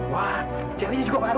wah caranya juga baru